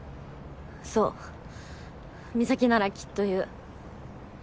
そう美咲ならきっと言う。